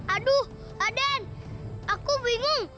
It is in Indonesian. aduh raden aku bingung